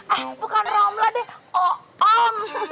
ah bukan romlah deh oom